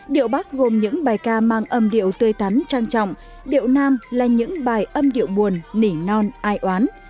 điệu bắc gồm những bài ca mang âm điệu tươi tắn trang trọng điệu nam là những bài âm điệu buồn nỉ non ai oán